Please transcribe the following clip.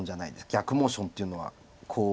逆モーションっていうのはこう。